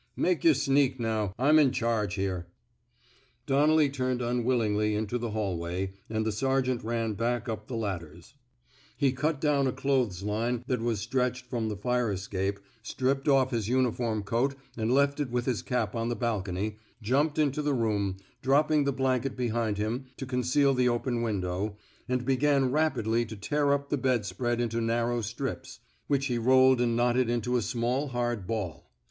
Make yer sneak, now. I'm in charge here." Donnelly turned unwillingly into the hallway, and the sergeant ran back up the ladders. He cut down a clothes line that was stretched from the fire escape, stripped off his uniform coat and left it with his cap on the balcony, jumped into the room, drop ping the blanket behind him to conceal the open window, and began rapidly to tear up the bed spread into narrow strips, which he rolled and knotted into a small hard ball.